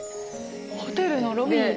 ホテルのロビーで。